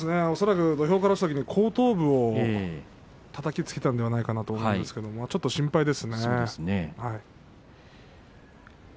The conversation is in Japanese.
恐らく土俵から落ちたとき後頭部をたたきつけたんじゃないかなと思うんですけどちょっと心配ですね。